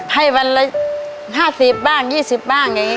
ให้วันละห้าสิบบ้างยี่สิบบ้างอย่างงี้